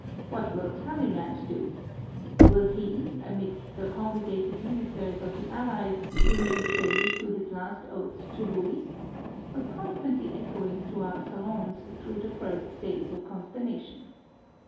''What will Talleyrand do? Will he, amidst the congregated ministers of the Allies, remain steady to his last oaths to Louis?" was constantly echoing through our salons during the first days of consternation.